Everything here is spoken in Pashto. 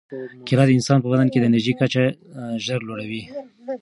کیله د انسان په بدن کې د انرژۍ کچه ژر لوړوي.